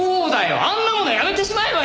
あんなものやめてしまえばいいんだよ！